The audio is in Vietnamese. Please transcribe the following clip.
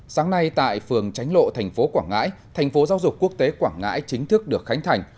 sáng nay tại phường tránh lộ tp quảng ngãi tp giao dục quốc tế quảng ngãi chính thức được khánh thành